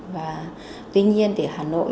và tuy nhiên thì hà nội